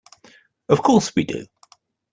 Of course we do.